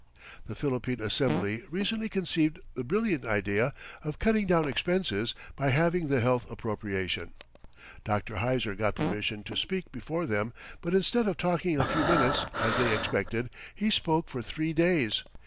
The Philippine Assembly recently conceived the brilliant idea of cutting down expenses by halving the health appropriation. Dr. Heiser got permission to speak before them, but instead of talking a few minutes, as they expected, he spoke for three days.